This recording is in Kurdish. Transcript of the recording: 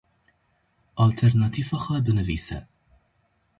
Alternatîfa xwe binivîse.